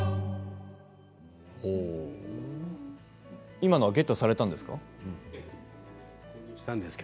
今のはゲットされたんですか。